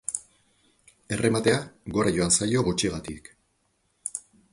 Errematea gora joan zaio, gutxigatik.